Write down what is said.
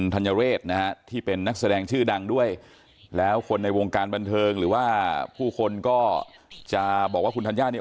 ธัญเรศนะฮะที่เป็นนักแสดงชื่อดังด้วยแล้วคนในวงการบันเทิงหรือว่าผู้คนก็จะบอกว่าคุณธัญญาเนี่ย